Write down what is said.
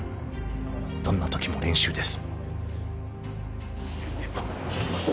［どんなときも練習です］